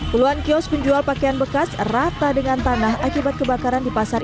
puluhan kios penjual pakaian bekas rata dengan tanah akibat kebakaran di pasar